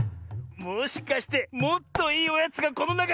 もしかしてもっといいおやつがこのなかに。